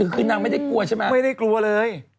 คือนางไม่ได้กลัวใช่ไหมไม่ได้กลัวเลย